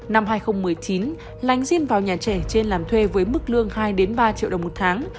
năm hai nghìn một mươi chín lánh xin vào nhà trẻ trên làm thuê với mức lương hai ba triệu đồng một tháng